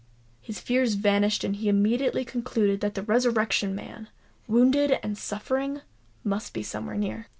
His fears vanished; and he immediately concluded that the Resurrection Man, wounded and suffering, must be somewhere near.